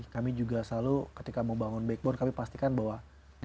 kami juga selalu ketika mau bangun backbone kami pasti kan melakukan investasi